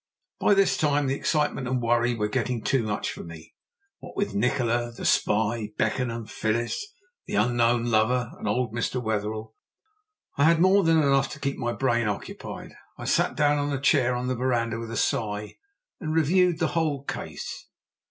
By this time the excitement and worry were getting too much for me. What with Nikola, the spy, Beckenham, Phyllis, the unknown lover, and old Mr. Wetherell, I had more than enough to keep my brain occupied. I sat down on a chair on the verandah with a sigh and reviewed the whole case.